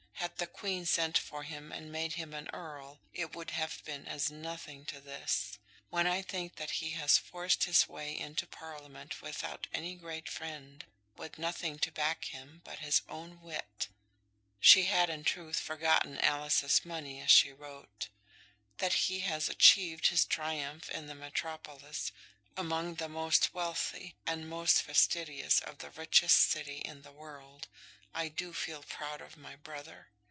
Had the Queen sent for him and made him an earl, it would have been as nothing to this. When I think that he has forced his way into Parliament without any great friend, with nothing to back him but his own wit" she had, in truth, forgotten Alice's money as she wrote; "that he has achieved his triumph in the metropolis, among the most wealthy and most fastidious of the richest city in the world, I do feel proud of my brother.